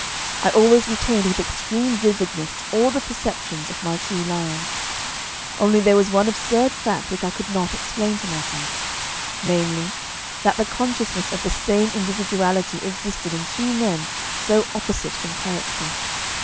I always retained with extreme vividness all the perceptions of my two lives. Only there was one absurd fact which I could not explain to myself namely, that the consciousness of the same individuality existed in two men so opposite in character.